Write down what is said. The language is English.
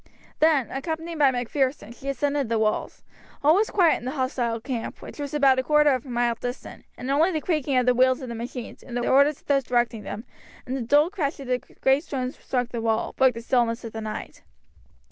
Then, accompanied by Macpherson, she ascended the walls. All was quiet in the hostile camp, which was about a quarter of a mile distant, and only the creaking of the wheels of the machines, the orders of those directing them, and the dull crash as the great stones struck the wall, broke the stillness of the night.